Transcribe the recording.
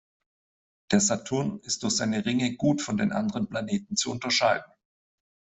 Der Saturn ist durch seine Ringe gut von den anderen Planeten zu unterscheiden.